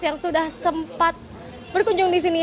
yang sudah sempat berkunjung di sini